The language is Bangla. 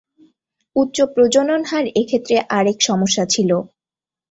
উচ্চ প্রজনন হার এক্ষেত্রে আরেক সমস্যা ছিলো।